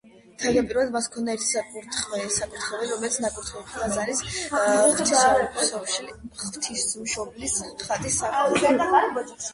თავდაპირველად მას ჰქონდა ერთი საკურთხეველი, რომელიც ნაკურთხი იყო ყაზანის ღვთისმშობლის ხატის სახელზე.